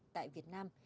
tại việt nam